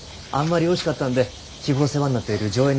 あんまりおいしかったんで日頃世話になっている条